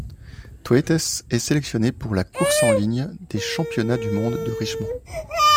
Thwaites est sélectionné pour la course en ligne des championnats du monde de Richmond.